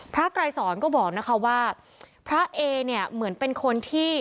ไกรสอนก็บอกนะคะว่าพระเอเนี่ยเหมือนเป็นคนที่